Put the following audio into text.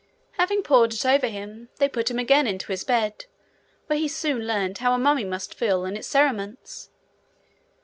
Having poured it over him, they put him again into his bed, where he soon learned how a mummy must feel in its cerements.